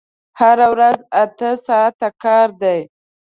هره ورځ اته ساعته کار دی!